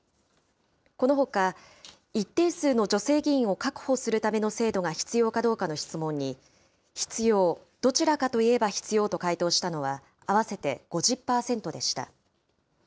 このほか、一定数の女性議員を確保するための制度が必要かどうかの質問に、必要、どちらかといえば必要と回答したのは、合わせて５０％でした。